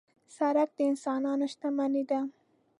سړک د انسانانو شتمني ده.